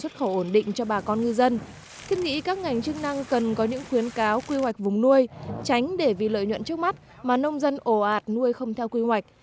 thiết nghĩ các ngành chức năng cần có những khuyến cáo quy hoạch vùng nuôi tránh để vì lợi nhuận trước mắt mà nông dân ổ ạt nuôi không theo quy hoạch